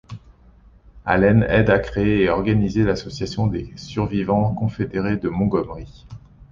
Allen aide à créer et organiser l'association des survivants confédérés de Montgomery.